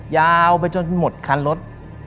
ยาวไปจนหมดคันรถ